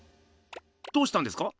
どうしたんですか？